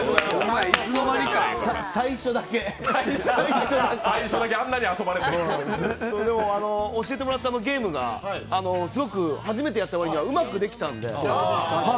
最初だけ最初だけ教えてもらったあのゲームが初めてやった割にはうまくできたんで。